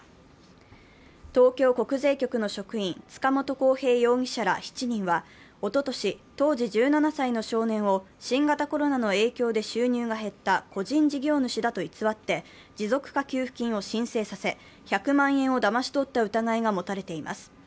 東京国税局の職員、塚本晃平容疑者ら７人は、おととし、当時１７歳の少年を新型コロナの影響で収入が減った個人事業主だと偽って持続化給付金を申請させ、１００万円をだまし取った疑いが持たれています。